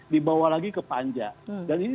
dibawa lagi ke panja dan ini